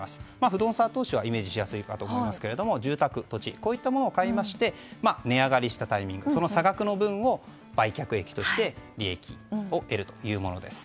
不動産投資はイメージしやすいかと思いますが住宅、土地といったものを買って値上がりしたタイミングその差額の分を売却益として利益を得るというものです。